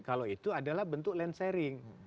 kalau itu adalah bentuk land sharing